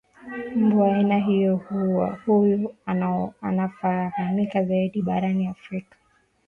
mbu wa aina hiyohuyu anafahamika zaidi barani afrika